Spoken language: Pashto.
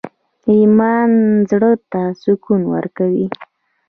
ایمان زړه ته سکون ورکوي